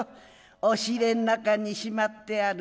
押入れん中にしまってある」。